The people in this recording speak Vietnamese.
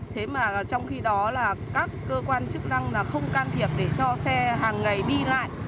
thế mà trong khi đó là các cơ quan chức năng là không can thiệp để cho xe hàng ngày đi lại